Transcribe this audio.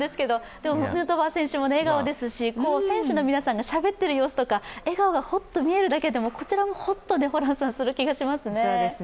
でもヌートバー選手も笑顔ですし、選手の皆さんがしゃべってる様子ですとか、笑顔が見えるとこちらもホッとする気がしますね。